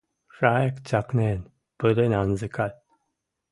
Шайык цӓкнен, пырен анзыкат.